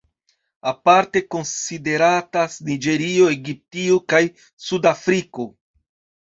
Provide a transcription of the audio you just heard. Aparte konsideratas Niĝerio, Egiptio kaj Sud-Afriko.